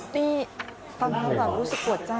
พี่ตอนนั้นแบบรู้สึกปวดใจอ่ะ